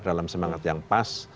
dalam semangat yang pas